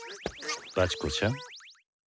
バチコちゃん。